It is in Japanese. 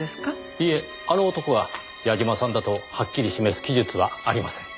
いえ「あの男」は矢嶋さんだとはっきり示す記述はありません。